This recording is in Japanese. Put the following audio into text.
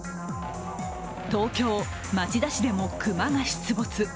東京・町田市でも熊が出没。